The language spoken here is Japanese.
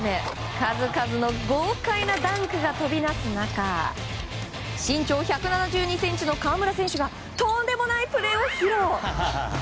数々の豪快なダンクが飛び出す中身長１７２ｃｍの河村選手がとんでもないプレーを披露。